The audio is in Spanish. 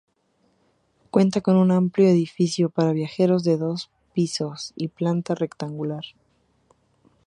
Cuenta con un amplio edificio para viajeros de dos pisos y planta rectangular.